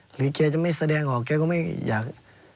แกจะไม่แสดงออกแกก็ไม่อยาก